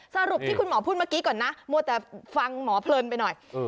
สรุปที่คุณหมอพูดเมื่อกี้ก่อนนะมัวแต่ฟังหมอเพลินไปหน่อย